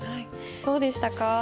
どうでしたか？